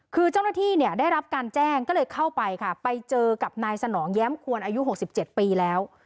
คือเจ้าหน้าที่เนี่ยได้รับการแจ้งก็เลยเข้าไปค่ะไปเจอกับนายสนองแย้มควรอายุ๖๗ปีแล้ว